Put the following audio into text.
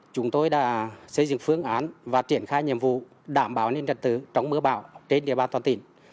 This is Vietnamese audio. chúng tôi đã xây dựng phương án và triển khai nhiệm vụ đảm bảo nhân dân tứ trong mưa bão trên địa bàn toàn tỉnh